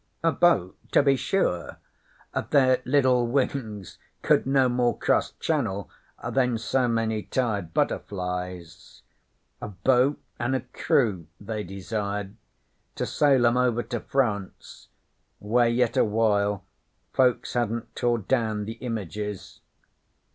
'A boat, to be sure. Their liddle wings could no more cross Channel than so many tired butterflies. A boat an' a crew they desired to sail 'em over to France, where yet awhile folks hadn't tore down the Images.